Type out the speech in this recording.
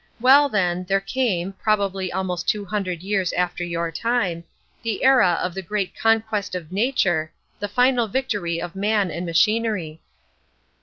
Well, then, there came, probably almost two hundred years after your time, the Era of the Great Conquest of Nature, the final victory of Man and Machinery."